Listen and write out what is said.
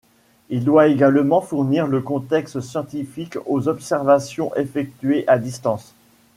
Il doit également fournir le contexte scientifique aux observations effectuées à distance.